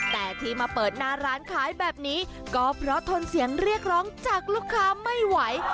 แต่ที่มาเปิดหน้าร้านขายแบบนี้ก็เพราะทนเสียงเรียกร้องจากลูกค้าไม่ไหว